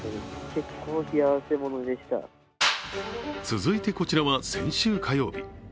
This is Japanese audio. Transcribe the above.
続いてこちらは先週火曜日。